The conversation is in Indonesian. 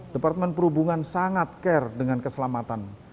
departemen perhubungan sangat care dengan keselamatan